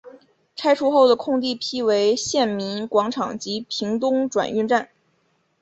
拆除后的空地辟为县民广场及屏东转运站。